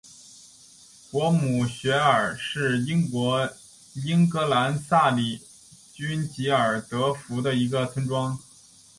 果姆雪尔是英国英格兰萨里郡吉尔福德的一个村庄。